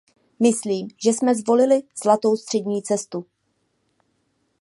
Myslím, že jsme zvolili zlatou střední cestu.